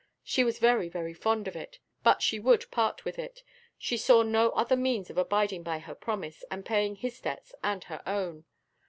She was very, very fond of it, but she would part with it; she saw no other means of abiding by her promise, and paying his debts and her own.